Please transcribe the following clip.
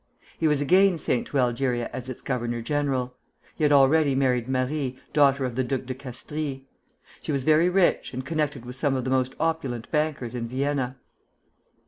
He was again sent to Algeria as its governor general. He had already married Marie, daughter of the Duc de Castries. She was very rich, and connected with some of the most opulent bankers in Vienna.